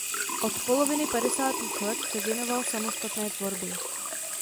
Od poloviny padesátých let se věnoval samostatné tvorbě.